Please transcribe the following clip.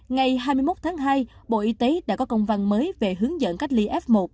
ngày hai mươi một tháng hai bộ y tế đã có công văn mới về hướng dẫn cách ly f một